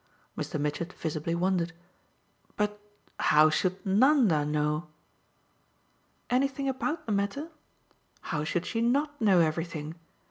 Mr. Mitchett visibly wondered. "But how should Nanda know ?" "Anything about the matter? How should she NOT know everything?